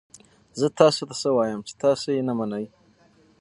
زه تاسو ته څه ووایم چې تاسو یې نه منئ؟